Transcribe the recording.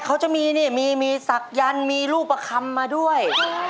เขาจะมีสักยันรูปคำมาด้วย